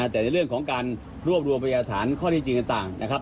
แต่ในเรื่องของการรวบรวมไปอาธารณ์ข้อที่จริงต่าง